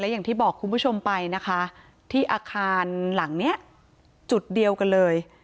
อย่างที่บอกคุณผู้ชมไปนะคะที่อาคารหลังเนี้ยจุดเดียวกันเลย